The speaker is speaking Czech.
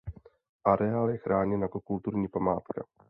Areál je chráněn jako kulturní památka.